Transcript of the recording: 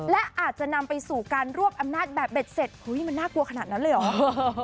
และอาจจะนำไปสู่การรวบอำนาจแบบเบ็ดเสร็จมันน่ากลัวขนาดนั้นเลยเหรอ